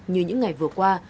như những ngày vừa qua